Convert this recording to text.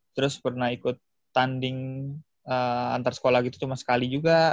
terus pernah ikut tanding antar sekolah gitu cuma sekali juga